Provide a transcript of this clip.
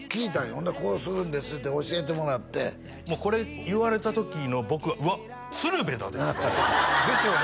ほんでこうするんですって教えてもらってもうこれ言われた時の僕「うわっ鶴瓶だ」ですよですよね